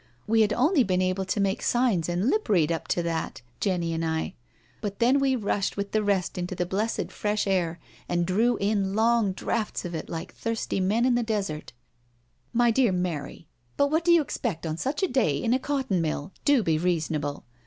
We had only been able to BRACKENHILL HALL 41 make signs and lip read up to that — Jenny and I— but then we rushed, with the rest, into the blessed fresh air, and drew in long draughts of it like thirsty men in the desert.'* " My dear Mary, but what do you expect on such a day in a cotton mill?— do be reasonable."